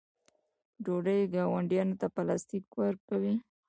دوی ګاونډیانو ته پلاستیک ورکوي.